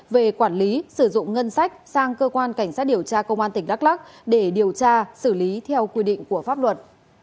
về quản lý sử dụng ngân sách sang cơ quan cảnh sát điều tra công an tỉnh đắk lắc để điều tra xử lý theo quy định của pháp luật